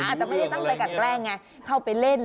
อาจจะไม่ได้ตั้งใจกันแกล้งไงเข้าไปเล่น